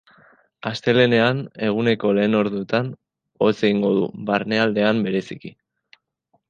Astelehenean, eguneko lehen orduetan hotz egingo du, barnealdean bereziki.